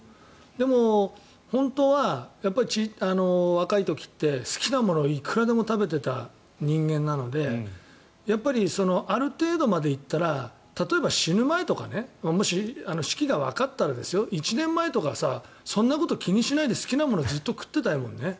でも本当は若い時って好きなものをいくらでも食べていた人間なのでやっぱり、ある程度まで行ったら例えば死ぬ前とかねもし死期がわかったら１年前とかはそんなこと気にしないで好きなものずっと食っていたいもんね。